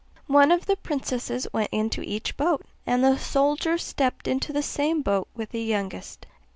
One of the princesses went into each boat, and the soldier stepped into the same boat with the youngest.